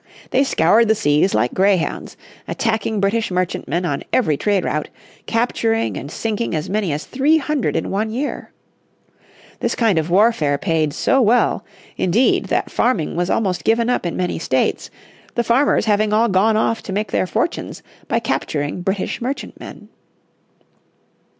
They scoured the seas like greyhounds, attacking British merchantmen on every trade route, capturing and sinking as many as three hundred in one year. This kind of warfare paid so well, indeed that farming was almost given up in many states, the farmers having all gone off to make their fortunes by capturing British merchantmen.